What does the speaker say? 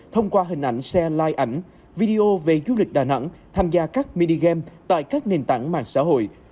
thông qua hình ảnh xe like ảnh video về du lịch đà nẵng tham gia các minigame tại các nền tảng mạng xã hội